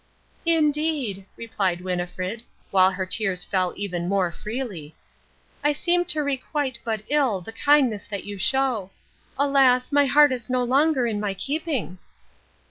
"Indeed," replied Winnifred, while her tears fell even more freely, "I seem to requite but ill the kindness that you show. Alas, my heart is no longer in my keeping."